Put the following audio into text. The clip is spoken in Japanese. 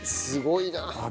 すごいな。